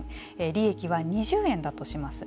利益は２０円だとします。